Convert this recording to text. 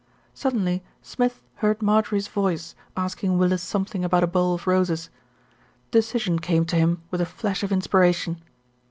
Suddenly Smith heard Marjorie's voice asking Willis something about a bowl of roses. Decision came to him with a flash of inspiration.